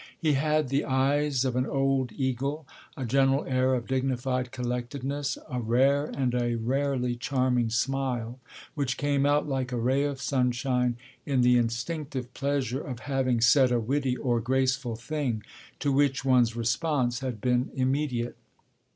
He had the eyes of an old eagle; a general air of dignified collectedness; a rare, and a rarely charming, smile, which came out, like a ray of sunshine, in the instinctive pleasure of having said a witty or graceful thing to which one's response had been immediate.